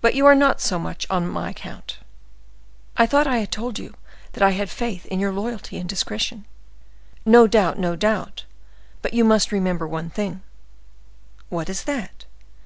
"But you are not so much so on my account?" "I thought I had told you that I had faith in your loyalty and discretion." "No doubt, no doubt, but you must remember one thing—" "What is that?"